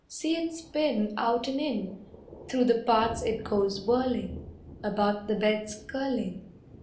See it spin Out and in; Through the paths it goes whirling, About the beds curling.